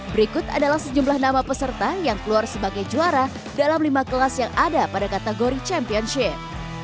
berikut adalah sejumlah nama peserta yang keluar sebagai juara dalam lima kelas yang ada pada kategori championship